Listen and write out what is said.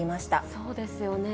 そうですよね。